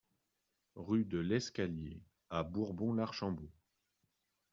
Rue de l'Escalier à Bourbon-l'Archambault